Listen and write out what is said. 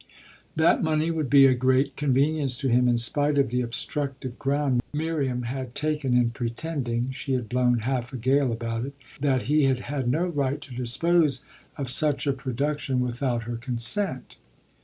That money would be a great convenience to him in spite of the obstructive ground Miriam had taken in pretending she had blown half a gale about it that he had had no right to dispose of such a production without her consent.